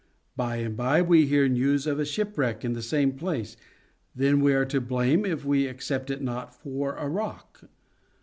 By and by we hear news of shipwreck in the same place, then we are to blame if we accept it not for a rock.